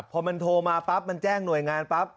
พอมันโทรมาปั๊บมันแจ้งหน่วยงานปั๊บ